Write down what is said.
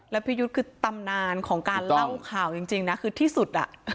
แล้วพี่ยุทธ์คือตำนานของการเล่าข่าวจริงนะคือที่สุด